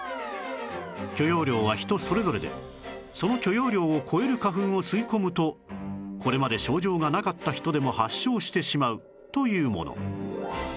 許容量は人それぞれでその許容量を超える花粉を吸い込むとこれまで症状がなかった人でも発症してしまうというもの